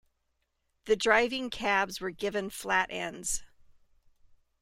The driving cabs were given flat ends.